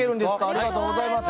ありがとうございます。